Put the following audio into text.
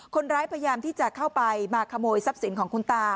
พยายามที่จะเข้าไปมาขโมยทรัพย์สินของคุณตา